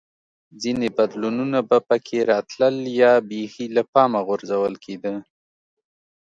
ځیني بدلونونه به په کې راتلل یا بېخي له پامه غورځول کېده